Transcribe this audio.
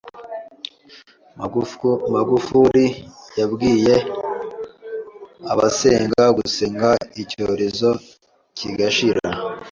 Magufuli yabwiye abasenga gusenga icyorezo kigashira